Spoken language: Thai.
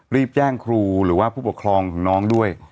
รีบแจ้งครูหรือว่าผู้ปกครองของน้องด้วย